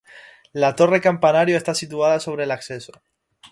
La torre campanario está situada sobre el acceso.